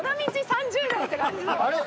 ３０年って感じのあれ？